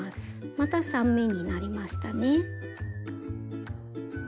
また３目になりましたね。